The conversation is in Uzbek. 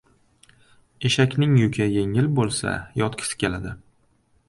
• Eshakning yuki yengil bo‘lsa yotkisi keladi.